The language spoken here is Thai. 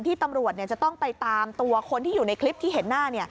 ตำรวจจะต้องไปตามตัวคนที่อยู่ในคลิปที่เห็นหน้า